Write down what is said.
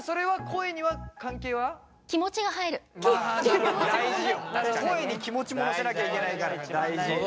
声に気持ちも乗せなきゃいけないから。